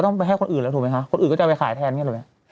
ไปให้คนอื่นแล้วถูกไหมคะคนอื่นก็จะเอาไปขายแทนอย่างนี้ถูกไหม